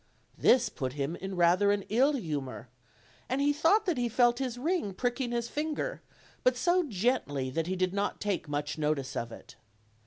This put him in rather an ill humor, and he thought that he felt his ring pricking his finger, but so gently that he did not take much notice of it.